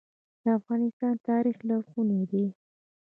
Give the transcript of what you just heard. د افغانستان تاریخ لرغونی دی